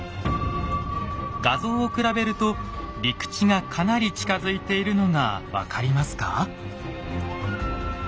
画像を比べると陸地がかなり近づいているのが分かりますか？